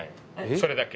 それだけ！？